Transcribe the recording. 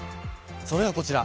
それがこちら。